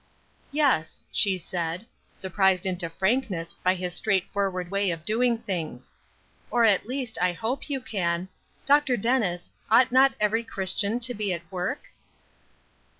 "Yes," she said, surprised into frankness by his straightforward way of doing things; "or, at least, I hope you can. Dr. Dennis, ought not every Christian to be at work?"